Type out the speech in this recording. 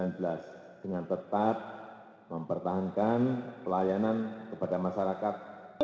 dengan tetap mempertahankan pelayanan kepada masyarakat